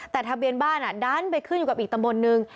แต่ทะเบียนบ้านดันไปขึ้นอยู่กับอีกตำบลนึง